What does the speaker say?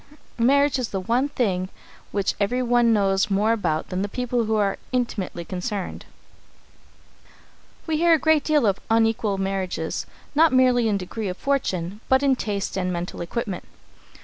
Marriage is the one thing which everyone knows more about than people who are intimately concerned. [Sidenote: "Unequal Marriages"] We hear a great deal of "unequal marriages," not merely in degree of fortune, but in taste and mental equipment.